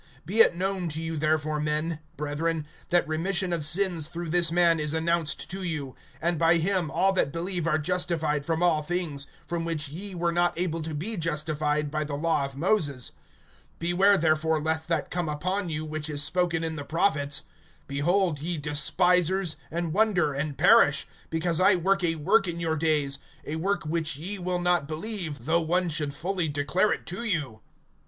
(38)Be it known to you therefore, men, brethren, that remission of sins through this man is announced to you; (39)and by him all that believe are justified from all things, from which ye were not able to be justified by the law of Moses. (40)Beware therefore, lest that come upon you, which is spoken in the prophets: (41)Behold, ye despisers, and wonder, and perish; Because I work a work in your days, A work which ye will not believe, Though one should fully declare it to you.